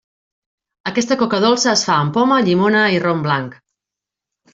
Aquesta coca dolça es fa amb poma, llimona i rom blanc.